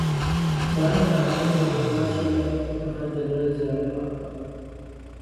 بہرحال کہاںوہ martial law اورکہاں جنرل ضیاء الحق کا۔